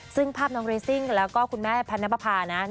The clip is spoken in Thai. ซึ่งภาพน้องเรซิ่งแล้วก็คุณแม่พันธ์น้ำภาภานะ